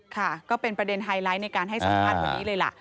ค่ะก็เป็นประเด็นไฮไลท์ในการให้สัมภาษณ์วันนี้เลยล่ะ